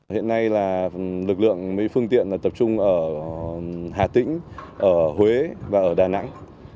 hiện nay lực lượng phương tiện tập trung ở hà tĩnh huế và đà nẵng